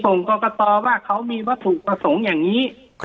ผมก็กระต่อว่าเขามีวัดอุปสรงอย่างนี้